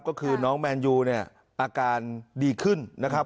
ก็คือน้องแมนยูเนี่ยอาการดีขึ้นนะครับ